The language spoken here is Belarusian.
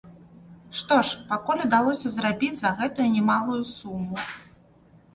Што ж пакуль удалося зрабіць за гэтую немалую суму?